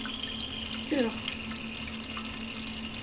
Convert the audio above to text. Tetteɣ.